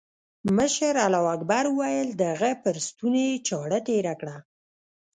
مشر الله اکبر وويل د هغه پر ستوني يې چاړه تېره کړه.